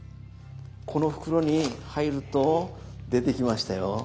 この袋に入ると出てきましたよ。